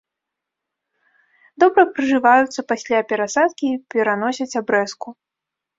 Добра прыжываюцца пасля перасадкі і пераносяць абрэзку.